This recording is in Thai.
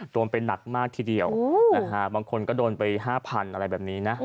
โดนไปหนักมากทีเดียวบางคนก็โดนไป๕๐๐๐อะไรแบบนี้นะ